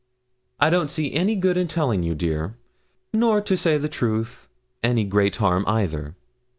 'I don't see any good in telling you, dear, nor, to say the truth, any great harm either.'